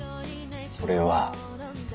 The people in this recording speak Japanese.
それは。